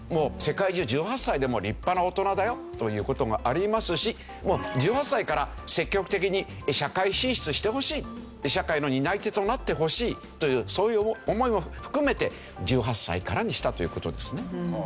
世界中１８歳でもう立派な大人だよという事がありますしもう１８歳から積極的に社会進出してほしい社会の担い手となってほしいというそういう思いも含めて１８歳からにしたという事ですね。